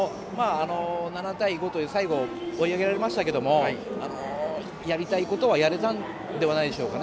７対５という最後追い上げられましたけれどもやりたいことはやれたんじゃないでしょうか。